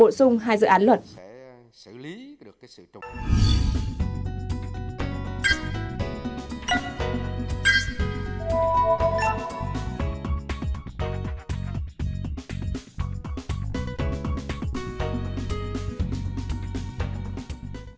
hồ sơ hai dự án luật đủ điều kiện chính quốc hội xem xét quyết định đưa vào chương trình xây dựng luật pháp lệnh năm hai nghìn hai mươi bốn và điều chỉnh chương trình xây dựng luật pháp lệnh năm hai nghìn hai mươi ba